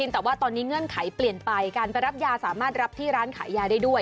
แต่ว่าตอนนี้เงื่อนไขเปลี่ยนไปการไปรับยาสามารถรับที่ร้านขายยาได้ด้วย